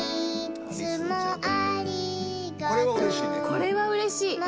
これはうれしいね。